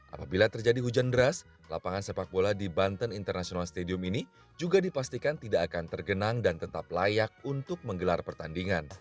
apabila terjadi hujan deras lapangan sepak bola di banten international stadium ini juga dipastikan tidak akan tergenang dan tetap layak untuk menggelar pertandingan